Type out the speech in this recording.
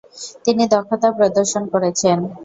তিনি দক্ষতা প্রদর্শন করেছেন।